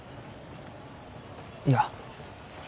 いや。